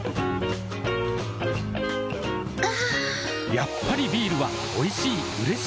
やっぱりビールはおいしい、うれしい。